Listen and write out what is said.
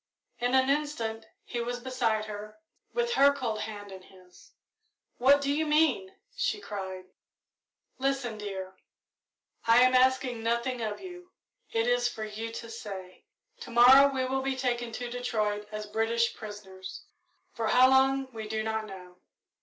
In an instant he was beside her, with her cold hand in his. "What do you mean!" she cried. "Listen, dear; I am asking nothing of you it is for you to say. To morrow we will be taken to Detroit as British prisoners for how long we do not know.